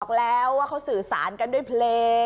รอกแล้วเค้าสื่อสารกันด้วยเพลง